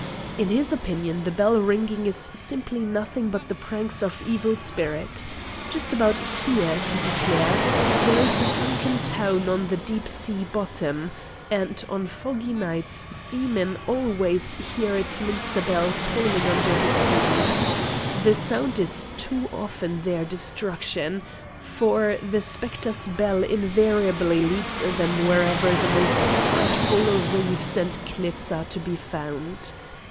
In his opinion the bell ringing is simply nothing but the pranks of evil spirits. Just about here, he declares, there is a sunken town on the deep sea bottom, and on foggy nights seamen always hear its minster bell tolling under the sea. The sound is too often their destruction, for the spectres' bell invariably leads them wherever the most frightful reefs and cliffs are to be found.